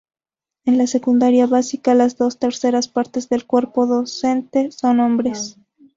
En la secundaria básica, las dos terceras partes del cuerpo docente son hombres.